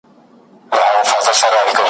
د ګل غونډۍ پر سره لمن له ارغوانه سره ,